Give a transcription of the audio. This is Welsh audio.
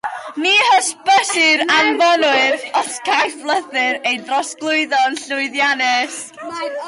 Ni hysbysir yr anfonwr os caiff llythyr ei drosglwyddo'n llwyddiannus.